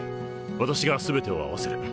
私が全てを合わせる。